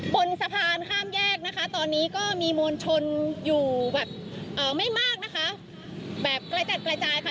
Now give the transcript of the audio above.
บนสะพานข้ามแยกนะคะตอนนี้ก็มีมวลชนอยู่แบบไม่มากนะคะแบบกระจัดกระจายค่ะ